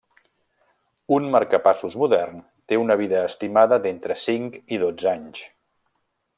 Un marcapassos modern té una vida estimada d'entre cinc i dotze anys.